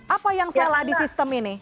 apa yang salah di sistem ini